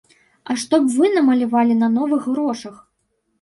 А што б вы намалявалі на новых грошах?